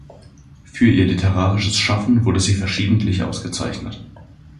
Für ihr literarisches Schaffen wurde sie verschiedentlich ausgezeichnet.